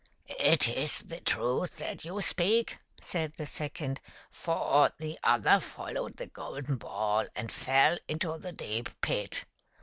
" It is the truth that you speak," said the second. " For the other followed the golden ball and fell into the deep pit